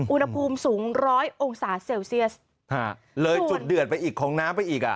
อุณหภูมิสูงร้อยองศาเซลเซียสเลยจุดเดือดไปอีกของน้ำไปอีกอ่ะ